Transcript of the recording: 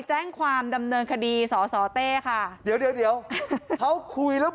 แจ้งความดำเนินคดีสสเต้ค่ะเดี๋ยวเดี๋ยวเขาคุยแล้ว